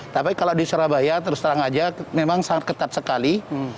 tapi kalau di surabaya terus terang aja memang sangat ketat sekali